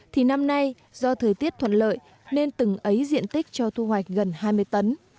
thì năm nay do thời tiết thuận lợi nên từng ấy diện tích cho thu hoạch gần hai mươi tấn